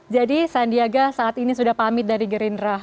jadi sandiaga saat ini sudah pamit dari gerindra